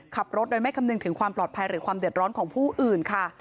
ขับรถโดยไม่คำนึงถึงความปลอดภัยหรือความเดือดร้อนของผู้อื่นค่ะ